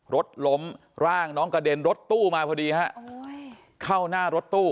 รถล้มร่างน้องกระเด็นรถตู้มาพอดีฮะเข้าหน้ารถตู้